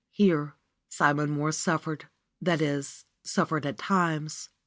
Here Simon Mohr suffered — that is, suffered at times.